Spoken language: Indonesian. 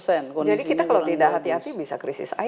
jadi kita kalau tidak hati hati bisa krisis air